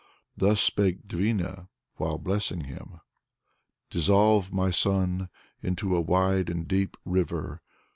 Thus spake Dvina while blessing him: "Dissolve, my son, into a wide and deep river.